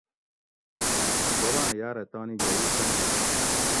بوباں یاۤرہ تانی جؤو سمٹو